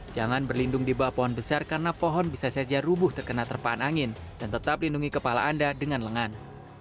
jangan berlindung di bawah pohon besar karena pohon bisa saja rubuh terkena terpaan angin dan tetap lindungi kepala anda dengan lengan